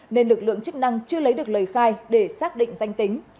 nên lực lượng chức năng chưa lấy được lời khai để xác định danh tính